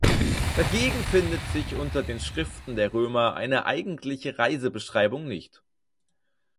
Dagegen findet sich unter den Schriften der Römer eine eigentliche Reisebeschreibung nicht.